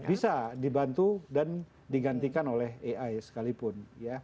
bisa dibantu dan digantikan oleh ai sekalipun